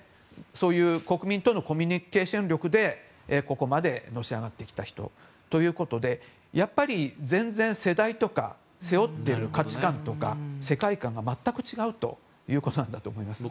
そういう国民とのコミュニケーション、求心力でここまでのし上がってきた人ということでやっぱり全然、世代とか背負っている価値観とか世界観が全く違うということなんだと思います。